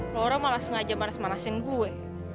laura malah sengaja manas manasin gue